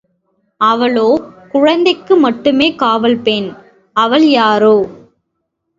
அவளோ குழந்தைக்கு மட்டுமே காவல் பெண்!... அவள் யாரோ!